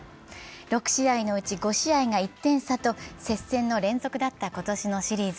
６試合のうち５試合が１点差と接戦の連続だった今年のシリーズ。